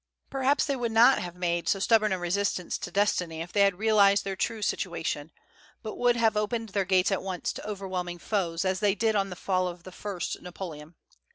Perhaps they would not have made so stubborn a resistance to destiny if they had realized their true situation, but would have opened their gates at once to overwhelming foes, as they did on the fall of the first Napoleon.